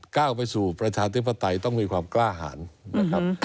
ก้าวไปสู่ประชาธิปไตยต้องมีความกล้าหารนะครับ